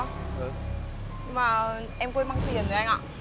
nhưng mà em quên mang tiền rồi anh ạ